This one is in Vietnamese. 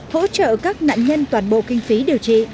hỗ trợ các nạn nhân toàn bộ kinh phí điều trị